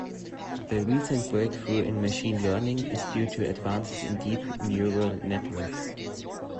The recent breakthrough in machine learning is due to advances in deep neural networks.